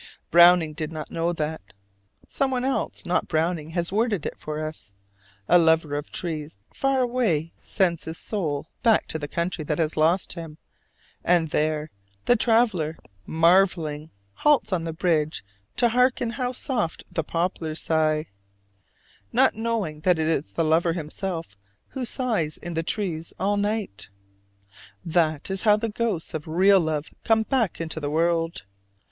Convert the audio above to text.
Browning did not know that. Someone else, not Browning, has worded it for us: a lover of trees far away sends his soul back to the country that has lost him, and there "the traveler, marveling why, halts on the bridge to hearken how soft the poplars sigh," not knowing that it is the lover himself who sighs in the trees all night. That is how the ghosts of real love come back into the world.